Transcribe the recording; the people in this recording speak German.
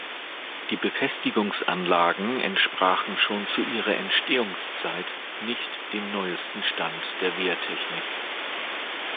Die Befestigungsanlagen entsprachen schon zu ihrer Entstehungszeit nicht dem neuesten Stand der Wehrtechnik.